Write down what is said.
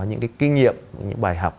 những cái kinh nghiệm những bài học